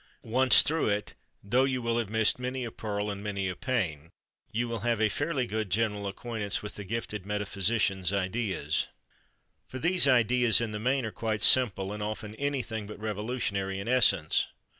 Once through it, though you will have missed many a pearl and many a pain, you will have a fairly good general acquaintance with the gifted metaphysician's ideas. For those ideas, in the main, are quite simple, and often anything but revolutionary in essence.